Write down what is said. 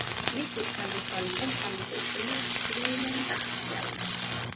მისი გარდაცვალებიდან სამი წლის შემდეგ, სულეიმანი ტახტზე ავიდა.